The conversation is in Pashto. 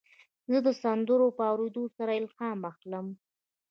زه د سندرو په اورېدو سره الهام اخلم.